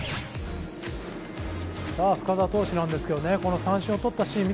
深沢投手なんですけれども三振を取ったシーン。